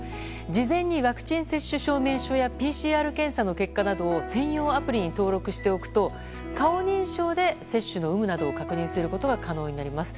事前に、ワクチン接種証明書やＰＣＲ検査の結果などを専用アプリに登録しておくと顔認証で、接種の有無などを確認することが可能になります。